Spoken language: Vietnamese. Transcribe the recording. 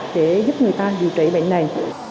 để giúp người ta điều trị bệnh này